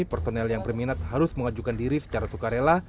personel yang berminat harus mengajukan diri secara sukarela